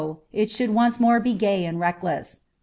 It should once more be a gay and reckless one.